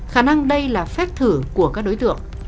khả năng đây là phép thử của các đối tượng